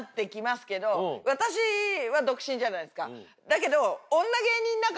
だけど。